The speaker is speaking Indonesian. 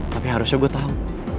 tapi harusnya gue tau